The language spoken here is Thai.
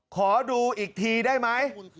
ขอดูอีกทีได้ไหม